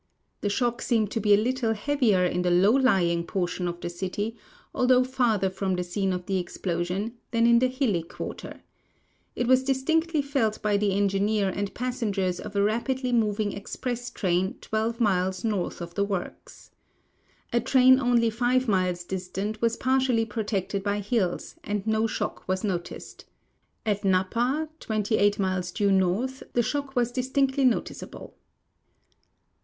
Tne shock seemed to be a little heavier in the low lying portion of the city, although farther from the scene of the explosion, than in the hilly (piarter. It was distinctly felt by the engineer and passengers of a rapidly moving express train 12 miles north of the works. A train only five miles distant was l)artially protected by hills, and no shock was noticed. At Napa, 28 miles due north, the shock was distinctly noticeable.